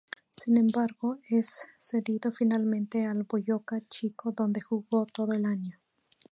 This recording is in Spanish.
Sin embargo, es cedido finalmente al Boyacá Chicó, donde jugó todo el año.